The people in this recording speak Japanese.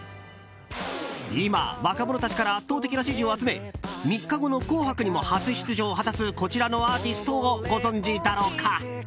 今、若者たちから圧倒的な支持を集め３日後の「紅白」にも初出場を果たすこちらのアーティストをご存じだろうか。